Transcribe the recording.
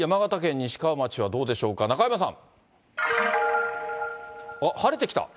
西川町はどうでしょうか、中山さん。晴れてきた？